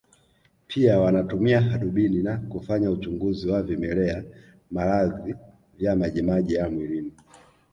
Pia wanatumia hadubini na kufanya uchunguzi wa vimelea maradhi vya majimaji ya mwilini